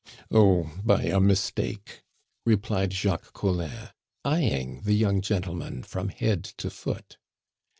"Oh, by a mistake!" replied Jacques Collin, eyeing the young gentleman from head to foot.